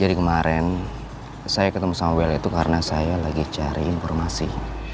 jadi kemarin saya ketemu sama bella itu karena saya lagi cari informasi